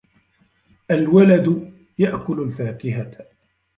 الْوَلَدُ يَأْكُلُ الْفَاكِهَةَ.